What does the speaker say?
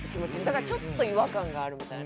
だからちょっと違和感があるみたいな。